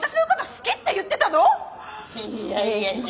いやいやいや。